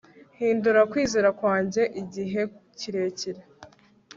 Hindura kwizera kwanjye igihe kirekire